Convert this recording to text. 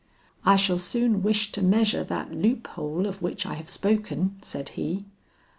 "I shall soon wish to measure that loop hole of which I have spoken," said he.